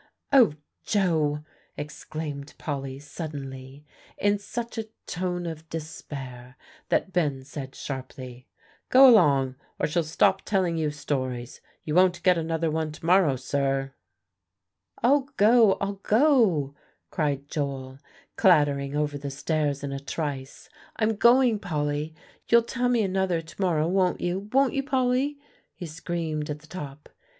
"O Joe!" exclaimed Polly suddenly, in such a tone of despair that Ben said sharply, "Go along, or she'll stop telling you stories. You won't get another one to morrow sir!" "I'll go, I'll go," cried Joel, clattering over the stairs in a trice "I'm going, Polly you'll tell me another to morrow, won't you won't you, Polly?" he screamed at the top.